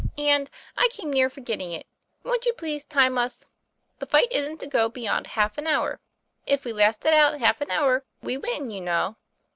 And I came near forgetting it wont you please time us? The fight isn't to go beyond half an hour. If we last it out half an hour, we win, you know."